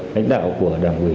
hãnh đạo của đảng quỷ